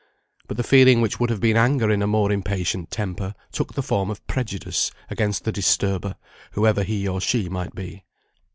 But the feeling which would have been anger in a more impatient temper, took the form of prejudice against the disturber, whoever he or she might be.